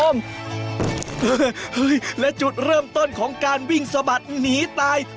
และจุดเริ่มต้นของการวิ่งสะบัดหนีตาย